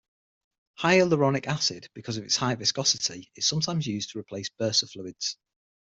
Hyaluronic acid, because of its high viscosity, is sometimes used to replace bursa fluids.